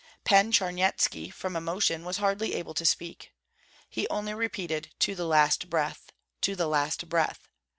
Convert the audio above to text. Pan Charnyetski, from emotion, was hardly able to speak. He only repeated: 'To the last breath! to the last breath!'